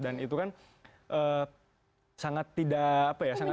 dan itu kan sangat tidak menunjukkan